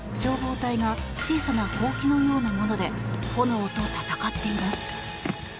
こちらの映像では、消防隊が小さなほうきのようなもので炎と戦っています。